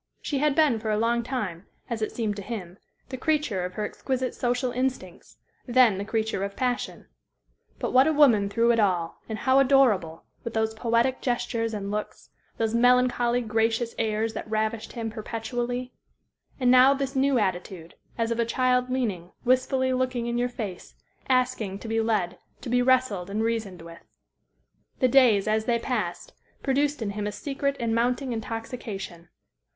She had been for a long time, as it seemed to him, the creature of her exquisite social instincts then the creature of passion. But what a woman through it all, and how adorable, with those poetic gestures and looks, those melancholy, gracious airs that ravished him perpetually! And now this new attitude, as of a child leaning, wistfully looking in your face, asking to be led, to be wrestled and reasoned with. The days, as they passed, produced in him a secret and mounting intoxication.